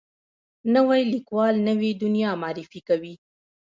نوی لیکوال نوې دنیا معرفي کوي